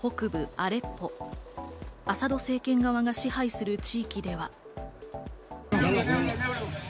アサド政権側が支配する地域では。